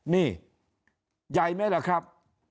นี่ใหญ่ไหมล่ะครับ